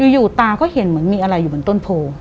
ตาก็เห็นเหมือนมีอะไรอยู่บนต้นโพ